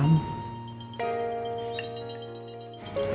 jangan lupa like share dan subscribe